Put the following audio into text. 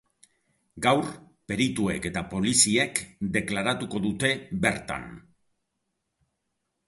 Gaur, perituek eta poliziek deklaratuko dute bertan.